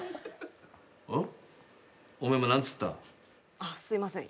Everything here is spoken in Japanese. あっすいません。